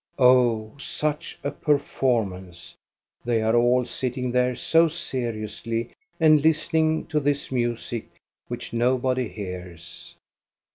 Oh, such a per formance ! They all are sitting there so seriously and listening to this music which nobody hears.